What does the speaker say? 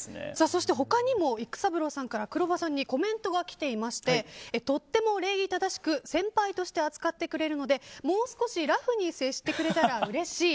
そして他にも育三郎さんから黒羽さんにコメントが来ていましてとっても礼儀正しく先輩として扱ってくれるのでもう少しラフに接してくれたらうれしい。